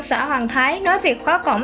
xã hoàng thái nói việc khóa cổng